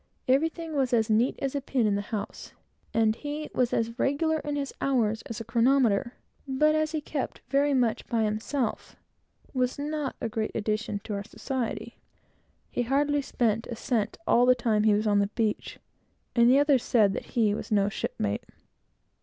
Everything was as neat as a pin in the house, and he was as regular in his hours as a chronometer, but as he kept very much by himself, was not a great addition to our society. He hardly spent a cent all the time he was on the beach, and the others said he was no shipmate.